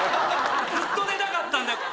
ずっと出たかったんだよ。